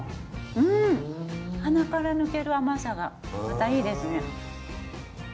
うん鼻から抜ける甘さがまたいいですね。